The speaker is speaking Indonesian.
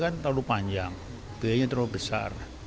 kan terlalu panjang biayanya terlalu besar